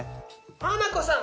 ハナコさん